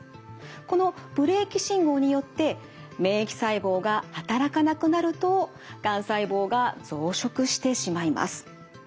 このブレーキ信号によって免疫細胞が働かなくなるとがん細胞が増殖してしまいます。